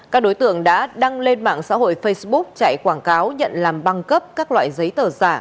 các đối tượng đã đăng lên mạng xã hội facebook chạy quảng cáo nhận làm băng cấp các loại giấy tờ giả